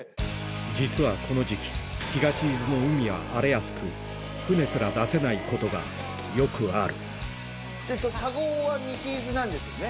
実はこの時期東伊豆の海は荒れやすく船すら出せないことがよくある田子は西伊豆なんですよね？